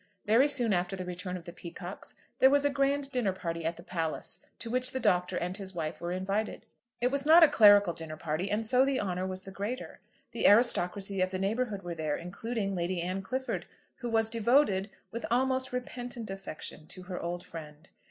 Very soon after the return of the Peacockes there was a grand dinner party at the palace, to which the Doctor and his wife were invited. It was not a clerical dinner party, and so the honour was the greater. The aristocracy of the neighbourhood were there, including Lady Anne Clifford, who was devoted, with almost repentant affection, to her old friend.